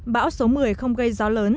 bão số một mươi không gây gió lớn